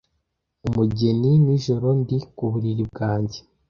Umugeni:Nijoro ndi ku buriri bwanjye